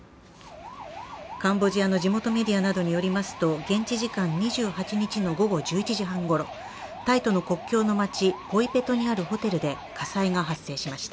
カンボジアの地元メディアなどによりますと現地時間２８日の午後１１時半ごろ、タイとの国境の街・ポイペトにあるホテルで火災が発生しました。